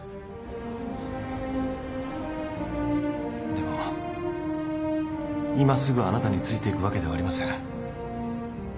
でも今すぐあなたについていくわけではありません。